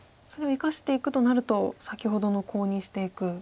それを生かしていくとなると先ほどのコウにしていく。